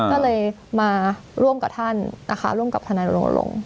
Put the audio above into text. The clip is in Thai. ก็เลยมาร่วมกับท่านนะคะร่วมกับทนายลง